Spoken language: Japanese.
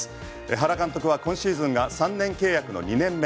原監督は今シーズンが３年契約の２年目。